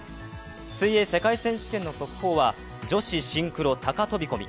水泳世界選手権の速報は、女子シンクロ高飛び込み。